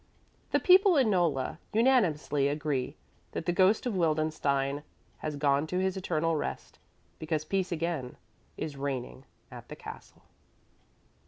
The people in Nolla unanimously agree that the ghost of Wildenstein has gone to his eternal rest, because peace again is reigning at the castle.